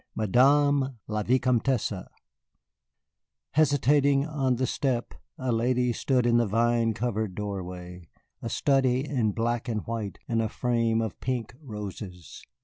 MADAME LA VICOMTESSE Hesitating on the step, a lady stood in the vine covered doorway, a study in black and white in a frame of pink roses.